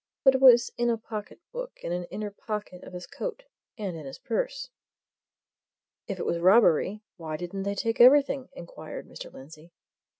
"But it was in a pocket book in an inner pocket of his coat, and in his purse." "If it was robbery, why didn't they take everything?" inquired Mr. Lindsey.